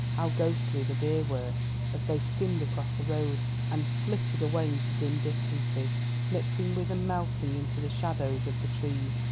How ghostly the deer were, as they skimmed across the road and flitted away into dim distances, mixing with and melting into the shadows of the trees.